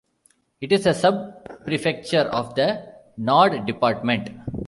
It is a sub-prefecture of the Nord department.